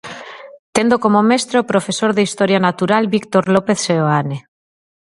Tendo como mestre ao profesor de Historia natural Víctor López Seoane.